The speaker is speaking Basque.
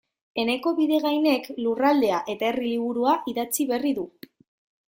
Eneko Bidegainek Lurraldea eta Herria liburua idatzi berri du.